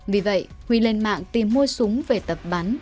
vì vậy huy lên mạng tìm mua súng về tập bắn